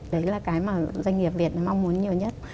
đấy là cái mà doanh nghiệp việt mong muốn nhiều nhất